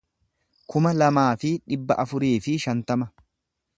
kuma lamaa fi dhibba afurii fi shantama